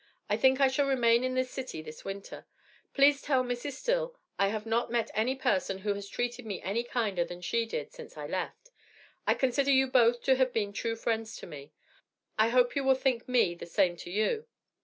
I think I shall remain in this city this winter. Please tell Mrs. Still I have not met any person who has treated me any kinder than she did since I left. I consider you both to have been true friends to me. I hope you will think me the same to you.